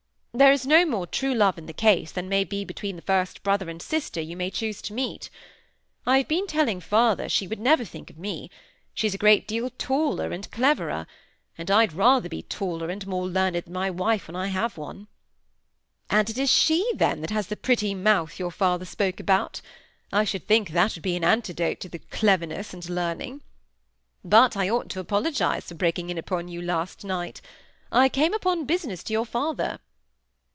"There is no more true love in the case than may be between the first brother and sister you may choose to meet. I have been telling father she would never think of me; she's a great deal taller and cleverer; and I'd rather be taller and more learned than my wife when I have one." "And it is she, then, that has the pretty mouth your father spoke about? I should think that would be an antidote to the cleverness and learning. But I ought to apologize for breaking in upon your last night; I came upon business to your father."